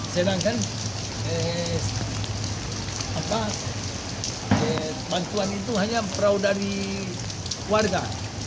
sedangkan bantuan itu hanya perahu dari warga